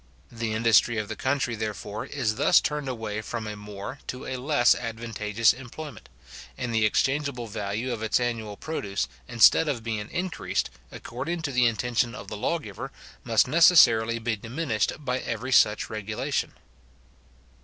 The industry of the country, therefore, is thus turned away from a more to a less advantageous employment; and the exchangeable value of its annual produce, instead of being increased, according to the intention of the lawgiver, must necessarily be diminished by every such regulation.